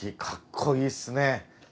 かっこいいっすね。